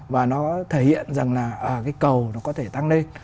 và nó thể hiện rằng là cái cầu nó có thể tăng lên